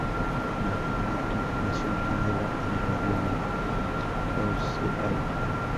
Marc Birkigt nació en Ginebra, en el barrio de Rousseau.